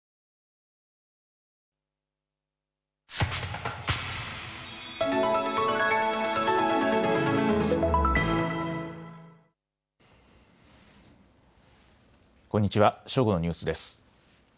正午のニュースです。